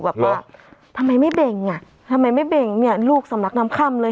บอกว่าทำไมไม่เบ่งอ่ะทำไมไม่เบ่งเนี่ยลูกสำลักน้ำค่ำเลย